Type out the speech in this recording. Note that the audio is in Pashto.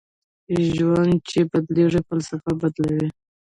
ژوند چې بدلېږي فلسفه بدلوي